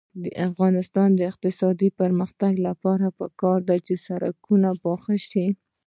د افغانستان د اقتصادي پرمختګ لپاره پکار ده چې سړکونه پاخه شي.